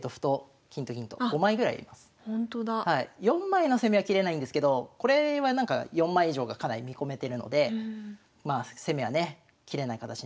４枚の攻めは切れないんですけどこれはなんか４枚以上がかなり見込めてるので攻めはね切れない形になってますよね。